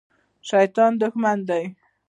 شیطان دښمن دی